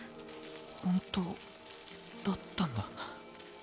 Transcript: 本当だったんだ。